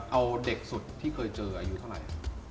เอาเด็กสุดที่เคยเจออายุเท่าไหร่